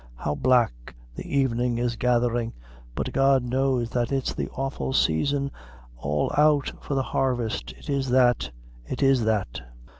How black the evenin' is gatherin', but God knows that it's the awful saison all out for the harvest it is that it is that!"